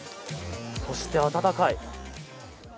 そして温かい。